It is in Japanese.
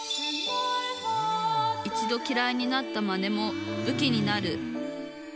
一度きらいになったマネもぶきになる。